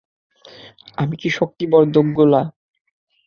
আমি কি শক্তিবর্ধক গোলা?